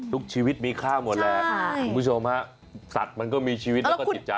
ทุกชีวิตมีค่าหมดแหละคุณผู้ชมฮะสัตว์มันก็มีชีวิตแล้วก็จิตใจ